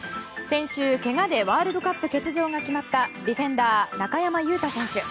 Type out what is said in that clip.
先週、けがでワールドカップ欠場が決まったディフェンダー、中山雄太選手。